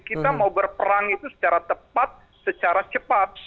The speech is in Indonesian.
kita mau berperang itu secara tepat secara cepat